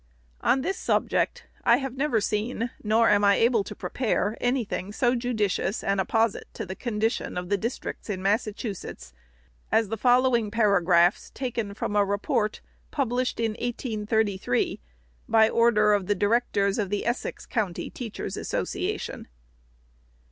On this subject, I have never seen, nor am I able to prepare, any thing so judicious, and apposite to the con dition of the districts in Massachusetts, as the following paragraphs, taken from a Report, published in 1833, " by order of the Directors of the Essex County Teachers' Association."